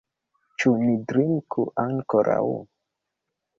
Ĉu ni drinku ankoraŭ?